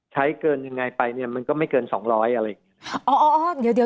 ใช้เกินอย่างไรไปมันก็ไม่เกิน๒๐๐อะไรอย่างนี้